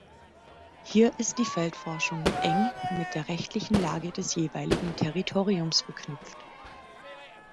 Hier ist die Feldforschung eng mit der rechtlichen Lage des jeweiligen Territoriums verknüpft.